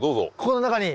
この中に？